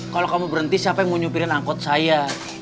kalau kamu berhenti siapa yang mau nyupirin angkot saya